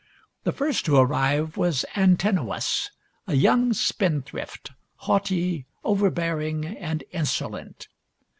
The first to arrive was Antinous, a young spendthrift, haughty, overbearing, and insolent.